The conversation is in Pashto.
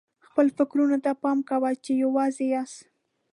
خپلو فکرونو ته پام کوه چې یوازې یاست.